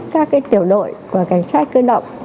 các tiểu đội của cảnh sát cơ động